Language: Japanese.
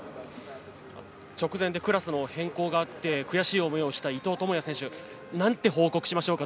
直前でクラスの変更があって悔しい思いをした伊藤智也選手。なんて報告しましょうか。